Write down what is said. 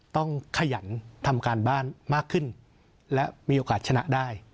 ขยันทำการบ้านมากขึ้นและมีโอกาสชนะได้